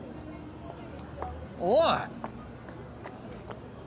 おい！